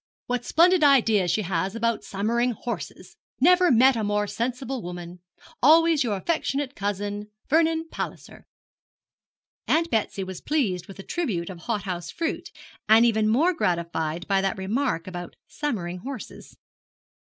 What splendid ideas she has about summering hunters! never met a more sensible woman. Always your affectionate cousin, VERNON PALLISER.' Aunt Betsy was pleased with the tribute of hothouse fruit, and even more gratified by that remark about summering horses.